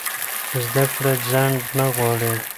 زده کړه ځنډ نه غواړي.